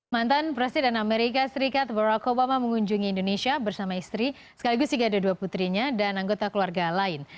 mantan presiden amerika serikat barack obama mengunjungi indonesia bersama istri sekaligus tiga puluh dua putrinya dan anggota keluarga lain